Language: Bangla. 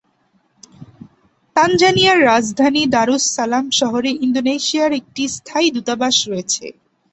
তানজানিয়ার রাজধানী দারুস সালাম শহরে ইন্দোনেশিয়ার একটি স্থায়ী দূতাবাস রয়েছে।